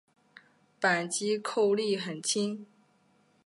扳机扣力很轻。